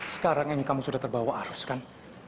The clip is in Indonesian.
sekarang ini kamu sudah terbawa arus kan